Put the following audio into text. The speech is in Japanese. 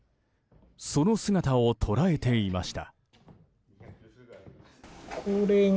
その姿を捉えていました。